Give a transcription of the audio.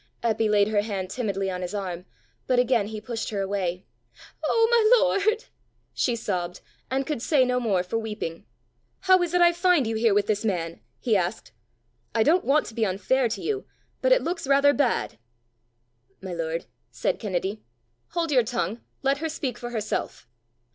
Eppy laid her hand timidly on his arm, but again he pushed her away. "Oh, my lord!" she sobbed, and could say no more for weeping. "How is it I find you here with this man?" he asked. "I don't want to be unfair to you, but it looks rather bad!" "My lord," said Kennedy. "Hold your tongue; let her speak for herself."